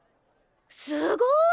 すごい！